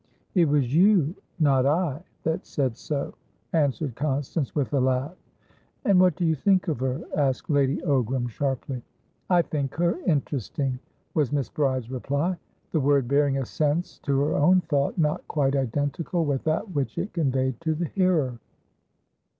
"It was you, not I, that said so," answered Constance, with a laugh. "And what do you think of her?" asked Lady Ogram sharply. "I think her interesting," was Miss Bride's reply, the word bearing a sense to her own thought not quite identical with that which it conveyed to the hearer.